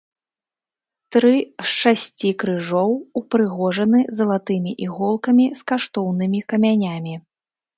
Тры з шасці крыжоў упрыгожаны залатымі іголкамі з каштоўнымі камянямі.